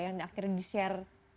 yang akhirnya di share